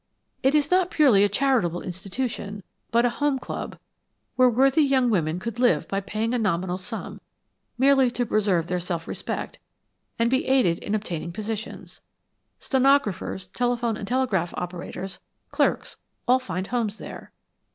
It is not a purely charitable institution, but a home club, where worthy young women could live by paying a nominal sum merely to preserve their self respect and be aided in obtaining positions. Stenographers, telephone and telegraph operators, clerks, all find homes there.